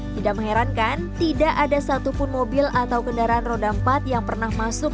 tidak mengherankan tidak ada satupun mobil atau kendaraan roda empat yang pernah masuk